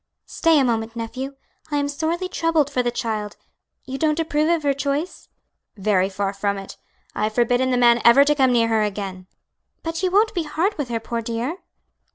"Stay a moment, nephew. I am sorely troubled for the child. You don't approve of her choice?" "Very far from it. I have forbidden the man ever to come near her again." "But you won't be hard with her, poor dear?"